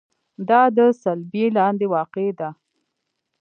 دا د صلبیې لاندې واقع ده.